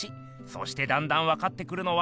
そしてだんだんわかってくるのは。